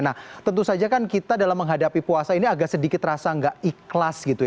nah tentu saja kan kita dalam menghadapi puasa ini agak sedikit rasa nggak ikhlas gitu ya